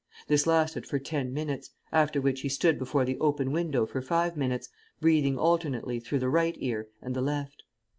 This lasted for ten minutes, after which he stood before the open window for five minutes, breathing alternately through the right ear and the left.